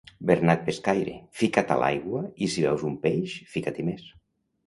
Bernat pescaire, fica't a l'aigua i si veus un peix fica-t'hi més.